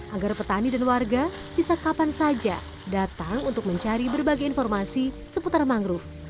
agar petani dan warga bisa kapan saja datang untuk mencari berbagai informasi seputar mangrove